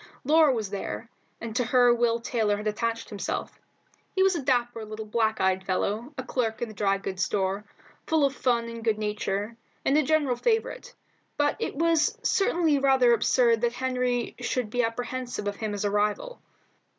Laura was there, and to her Will Taylor had attached himself. He was a dapper little black eyed fellow, a clerk in the dry goods store, full of fun and good nature, and a general favourite, but it was certainly rather absurd that Henry should be apprehensive of him as a rival.